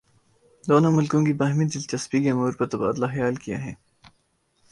دونوں ملکوں کی باہمی دلچسپی کے امور پر تبادلہ خیال کیا ہے